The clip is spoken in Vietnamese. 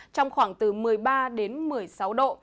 trong khoảng từ một mươi ba đến một mươi sáu độ